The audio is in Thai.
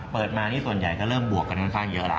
เปิดมานี่ส่วนใหญ่ก็เริ่มบวกกันค่อนข้างเยอะแล้ว